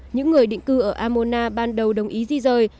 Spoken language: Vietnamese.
những người định cư ở amona ban đầu đồng ý di rời